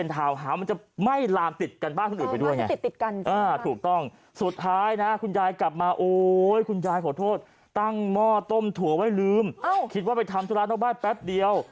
ถ้าเกิดตุ้มต้ามขึ้นมาเนี่ย